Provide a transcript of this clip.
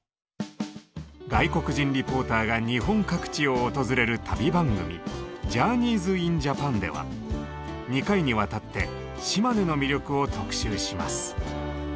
外国人リポーターが日本各地を訪れる旅番組「ＪｏｕｒｎｅｙｓｉｎＪａｐａｎ」では２回にわたって島根の魅力を特集します。